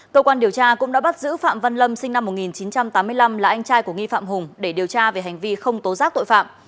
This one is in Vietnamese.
cơ quan điều tra cũng đã bắt giữ phạm văn lâm sinh năm một nghìn chín trăm tám mươi năm là anh trai của nghi phạm hùng để điều tra về hành vi không tố giác tội phạm